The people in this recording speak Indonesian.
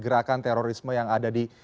gerakan terorisme yang ada di